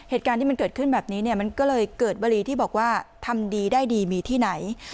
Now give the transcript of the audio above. เหตุการณ์ที่มันเกิดขึ้นแบบนี้เนี่ยมันก็เลยเกิดวรีที่บอกว่าทำดีได้ดีมีที่ไหน